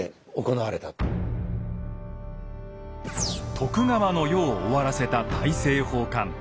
徳川の世を終わらせた大政奉還。